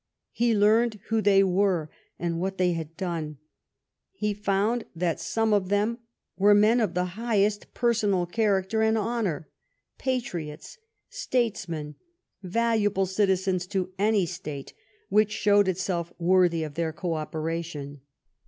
He learned who they were and what they had done. He found that some of them were men of the highest personal character and honor — patriots, statesmen, valuable citizens to any State which showed itself worthy of their co operation.